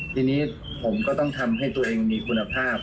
ทีนี้ผมก็ต้องทำให้ตัวเองมีคุณภาพ